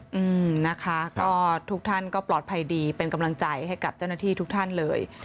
อืมนะคะก็ทุกท่านก็ปลอดภัยดีเป็นกำลังใจให้กับเจ้าหน้าที่ทุกท่านเลย